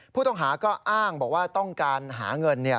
ผู้ต้องหาก็อ้างบอกว่าต้องการหาเงิน